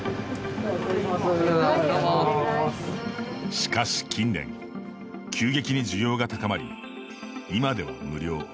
しかし近年急激に需要が高まり、今では無料。